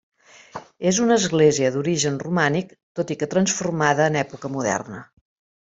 És una església d'origen romànic, tot i que transformada en època moderna.